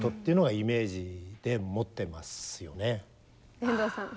遠藤さん。